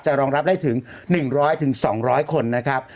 รองรับได้ถึง๑๐๐๒๐๐คนนะครับ